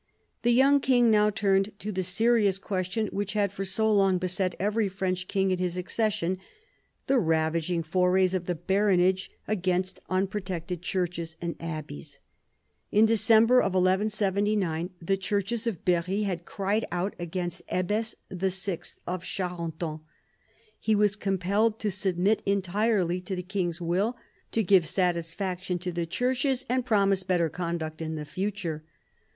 The young king now turned to the serious question which had for so long beset every French king at his accession — the ravaging forays of the baronage against unprotected churches and abbeys. In December 1179 the churches of Berry had cried out against Hebes VI. of Charenton. He was compelled to submit entirely to the king's will, to give satisfaction to the churches, and promise better conduct in the future.